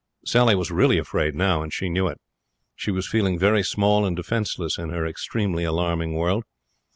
Sally was really afraid now, and she knew it. She was feeling very small and defenceless in an extremely alarming world.